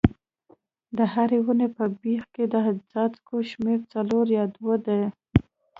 د هرې ونې په بیخ کې د څاڅکو شمېر څلور یا دوه وي.